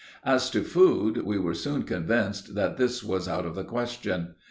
As to food, we were soon convinced that this was out of the question.